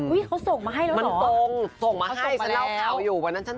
เห้ยเค้าส่งมาให้แล้วเหรอ